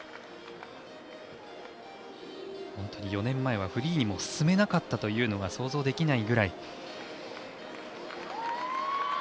本当に４年前はフリーにも進めなかったというのが想像できないぐらい。